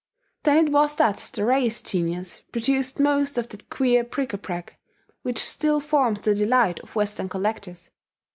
Then it was that the race genius produced most of that queer bric a brac which still forms the delight of Western collectors.